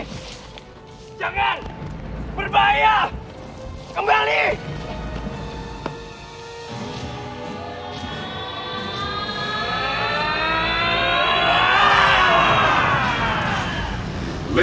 hanya jauh tak bisa lebih daripada hospitalnya